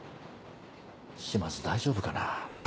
島津大丈夫かなぁ。